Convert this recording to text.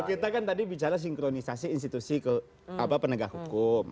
kita kan tadi bicara sinkronisasi institusi ke penegak hukum